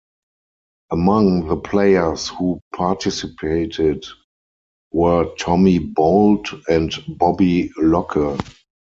Among the players who participated were Tommy Bolt and Bobby Locke.